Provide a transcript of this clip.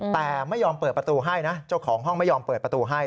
แต่ไม่ยอมเปิดประตูให้นะเจ้าของห้องไม่ยอมเปิดประตูให้